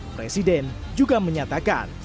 presiden juga menyatakan